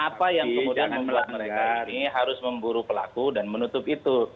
apa yang kemudian membuat mereka ini harus memburu pelaku dan menutup itu